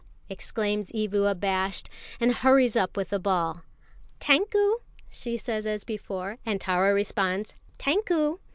exclaims Evu abashed, and hurries up with the ball. "Tankou!" she says as before, and Tara responds "Tankou!"